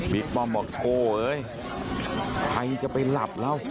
ป้อมบอกโถเอ้ยใครจะไปหลับแล้ว